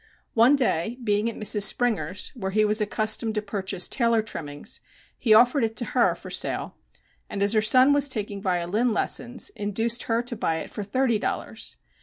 One day, being at Mrs. Springer's, where he was accustomed to purchase tailor trimmings, he offered it to her for sale, and, as her son was taking violin lessons, induced her to buy it for thirty dollars.